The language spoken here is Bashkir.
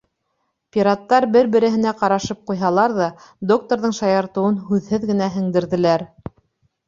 Пираттар, бер-береһенә ҡарашып ҡуйһалар ҙа, докторҙың шаяртыуын һүҙһеҙ генә һеңдерҙеләр.